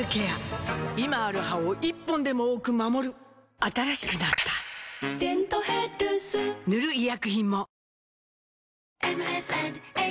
今ある歯を１本でも多く守る新しくなった「デントヘルス」塗る医薬品も